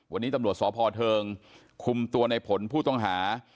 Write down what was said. วันนี้ตำรวจสพเทิงคุมตัวในผลผู้ต้องหา